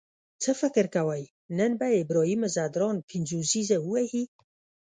څه فکر کوئ نن به ابراهیم ځدراڼ پنځوسیزه ووهي؟